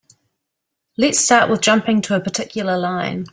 Let's start with jumping to a particular line.